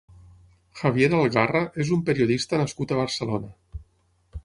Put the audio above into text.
Javier Algarra és un periodista nascut a Barcelona.